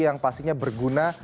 yang pastinya berguna